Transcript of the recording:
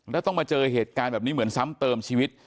แล้วต้องมาเจอเหตุการณ์แบบนี้เหมือนซ้ำเติมชีวิต